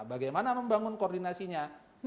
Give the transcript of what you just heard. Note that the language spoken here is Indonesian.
bagaimana membangun koordinasinya